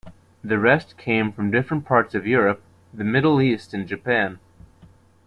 The rest came from different parts of Europe, the Middle East and Japan.